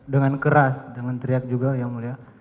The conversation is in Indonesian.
dengan keras dengan teriak juga yang mulia